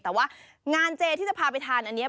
แต่ว่างานเจที่จะพาไปทานอันนี้